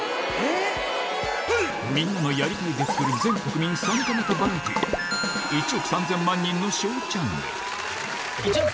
みんなの「やりたい」で作る全国民参加型バラエティー『１億３０００万人のＳＨＯＷチャンネル』！